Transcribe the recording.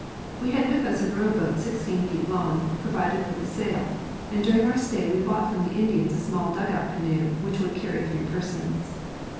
We had with us a roAV boat 16 feet long, provided Avith a sail, and during our stay Ave bought from the Indians a small dugout canoe Avhich would carry three persons.